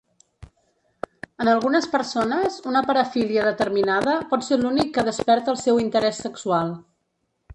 En algunes persones, una parafília determinada pot ser l'únic que desperta el seu interès sexual.